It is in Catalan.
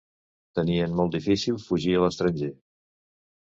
Tenien molt difícil fugir a l'estranger.